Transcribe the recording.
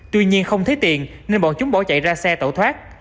tuy nhiên không thấy tiền nên bọn chúng bỏ chạy ra xe tẩu thoát